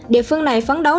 địa phương này phấn đấu